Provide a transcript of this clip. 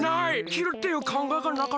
きるっていうかんがえがなかったな。